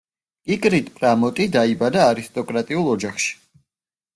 კიკრიტ პრამოტი დაიბადა არისტოკრატიულ ოჯახში.